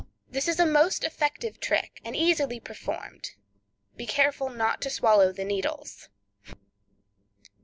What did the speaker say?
This is a most effective trick, and easily performed. Be careful not to swallow the needles.